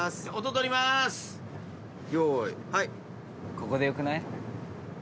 ここでよくない？